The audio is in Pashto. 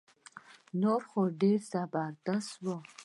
نور خو ډير زبردست وو